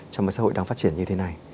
trong một xã hội đang phát triển như thế này